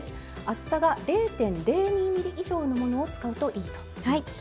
厚さが０．０２ｍｍ以上のものを使うといいということですね。